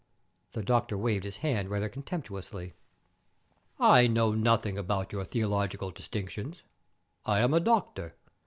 The doctor waved his hand rather contemptuously. "I know nothing about your theological distinctions; I am a doctor.